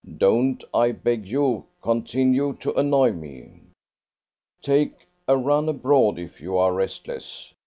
Don't, I beg you, continue to annoy me. Take a run abroad, if you are restless.